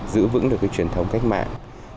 giữ vững được cái truyền thống cách mạng